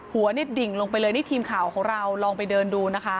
หัวเนี่ยดิ่งลงไปเลยนี่ทีมข่าวของเราลองไปเดินดูนะคะ